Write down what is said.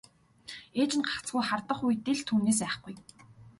Ээж нь гагцхүү хардах үедээ л түүнээс айхгүй.